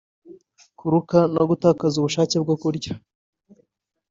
kuruka no gutakaza ubushake bwo kurya